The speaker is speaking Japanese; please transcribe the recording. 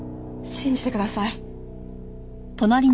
信じてください。